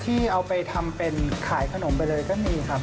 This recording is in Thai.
ที่เอาไปทำเป็นขายขนมไปเลยก็มีครับ